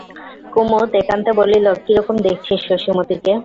কুমুদ একান্তে বলিল, কীরকম দেখছিস শশী মতিকে?